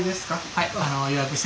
はい。